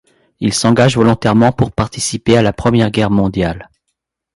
Il s'engage volontairement pour participer à la Première Guerre mondiale.